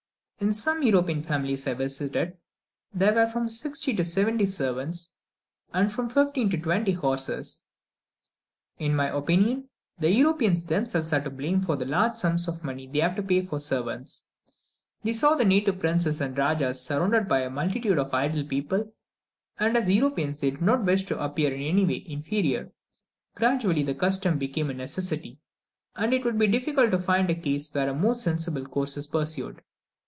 In some European families I visited there were from sixty to seventy servants, and from fifteen to twenty horses. In my opinion, the Europeans themselves are to blame for the large sums they have to pay for servants. They saw the native princes and rajahs surrounded by a multitude of idle people, and, as Europeans, they did not wish to appear in anyway inferior. Gradually the custom became a necessity, and it would be difficult to find a case where a more sensible course is pursued.